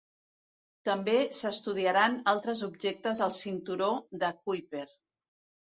També s'estudiaran altres objectes al cinturó de Kuiper.